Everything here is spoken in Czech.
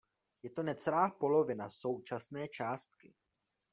To je necelá polovina současné částky.